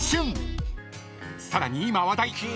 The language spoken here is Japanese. ［さらに今話題］